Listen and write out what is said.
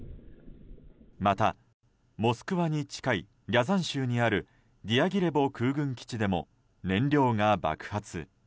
また、モスクワに近いリャザン州にあるディアギレボ空軍基地でも燃料が爆発。